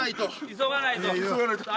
急がないと。